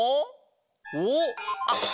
おおあっ